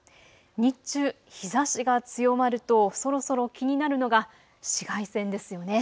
日中、日ざしが強まるとそろそろ気になるのが紫外線ですよね。